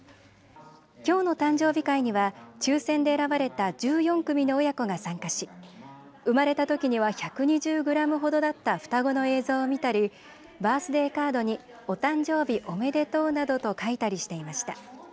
きょうの誕生日会には抽せんで選ばれた１４組の親子が参加し生まれたときには１２０グラムほどだった双子の映像を見たりバースデーカードにおたんじょうびおめでとうなどと書いたりしていました。